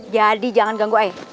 jadi jangan ganggu ayo